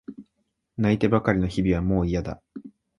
泣いてばかりの日々はもういやだ。